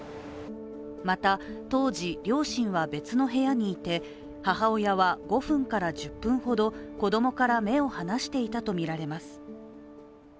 また当時、両親は別の部屋にいて母親は５分から１０分ほど子供から目を離していたとみられます。